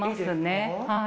はい。